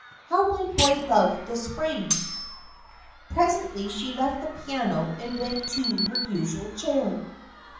How my boy loved the spring !" Presently she left the piano and went to her usual chair.